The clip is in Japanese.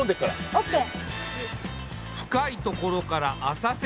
オッケー。